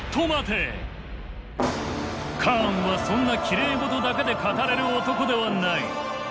カーンはそんなきれい事だけで語れる男ではない。